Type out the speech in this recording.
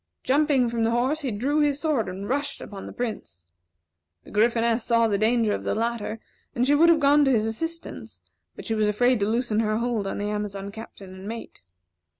Jumping from the horse, he drew his sword, and rushed upon the Prince. The Gryphoness saw the danger of the latter, and she would have gone to his assistance, but she was afraid to loosen her hold of the Amazon Captain and mate.